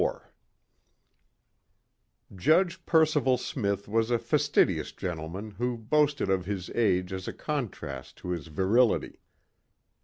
4 Judge Percival Smith was a fastidious gentleman who boasted of his age as a contrast to his virility.